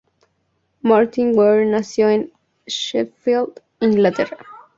Martyn Ware nació en Sheffield, Inglaterra.